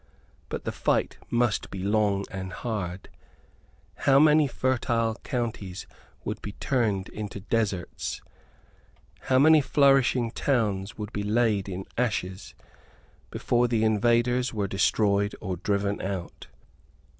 But the fight must be long and hard. How many fertile counties would be turned into deserts, how many flourishing towns would be laid in ashes, before the invaders were destroyed or driven out!